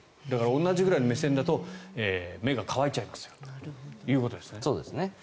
同じぐらいの目線だと目が乾いちゃいますということですね。